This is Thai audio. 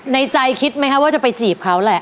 ใจคิดไหมคะว่าจะไปจีบเขาแหละ